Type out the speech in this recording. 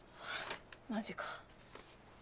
マジか。